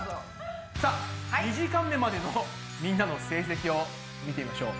さあ２時間目までのみんなの成績を見てみましょう。